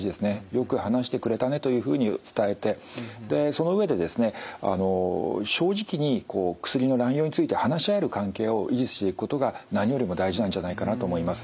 「よく話してくれたね」というふうに伝えてその上でですね正直に薬の乱用について話し合える関係を維持していくことが何よりも大事なんじゃないかなと思います。